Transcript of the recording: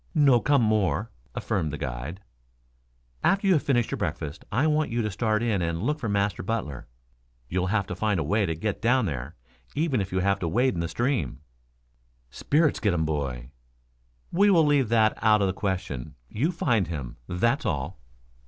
"No come more," affirmed the guide. "After you have finished your breakfast I want you to start in and look for Master Butler. You'll have to find a way to get down there, even if you have to wade in the stream " "Spirits git um boy." "We will leave that out of the question. You find him, that's all."